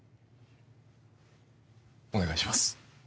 お願いします